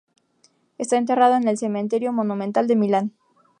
Está enterrado en el Cementerio Monumental de Milán.